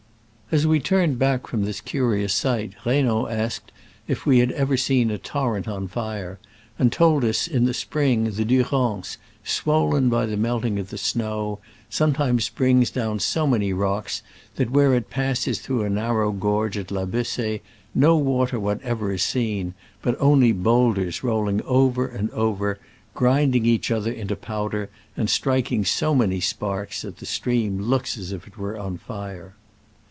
As we turned back from this curious sight. Digitized by Google SCRAMBLES AMONGST THE ALPS IN i86o '69. 33 Reynaud asked if we had ever seen a torrent on fire, and told us that in the spring the Durance, swollen by the melting of the snow, sometimes brings down so many rocks that where it passes through a narrow gorge at La Bess6e no water whatever is seen, but only boulders rolling over and over, grind ing each other into powder, and striking so many sparks that the stream looks as if it were on fire.